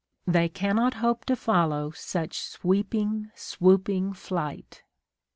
They cannot hope to follow such sweeping, swooping flight.